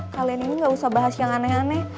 kalian ini gak usah bahas yang aneh aneh